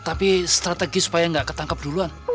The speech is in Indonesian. tapi strategi supaya nggak ketangkep duluan